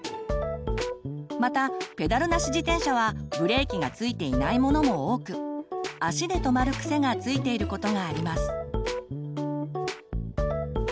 またペダルなし自転車はブレーキがついていないものも多く足で止まる癖がついていることがあります。